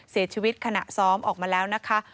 เสียชีวิตขณะซ้อมออกมาแล้วนะคะ